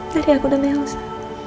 dari aku dan elsa